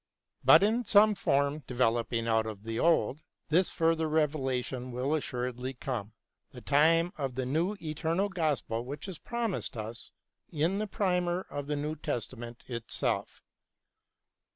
But in some form, developing out of the old, this further revelation will assuredly come — the time of a new eternal gospel which is promised us in the primer of the New Testament itself.